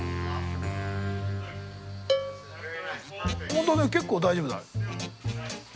本当だ結構大丈夫だ。